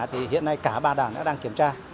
thì hiện nay cả ba đảng đã đang kiểm tra